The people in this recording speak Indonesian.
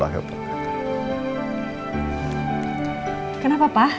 iya andi dapet wawancara untuk ngajar di universitas pelitanusa udah seneng banget ya pak